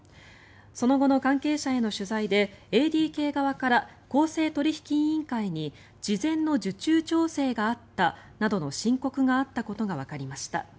その後の関係者への取材でＡＤＫ側から公正取引委員会に事前の受注調整があったなどの申告があったことがわかりました。